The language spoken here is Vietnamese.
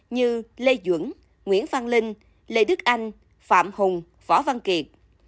như lê dưỡng nguyễn phan linh lê đức anh phạm hùng phỏ văn kiệt